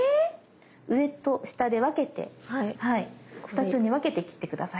上と下で分けて２つに分けて切って下さい。